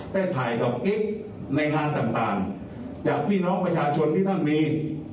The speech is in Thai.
ได้ถ่ายดอกกิ๊กในงานต่างจากพี่น้องประชาชนที่ท่านมี